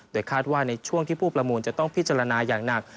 โดยคาดว่าในช่วงที่ผู้ประมูลจะต้องพิจารณาอย่างหนัก